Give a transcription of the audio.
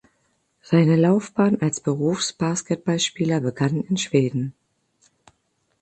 Seine Laufbahn als Berufsbasketballspieler begann in Schweden.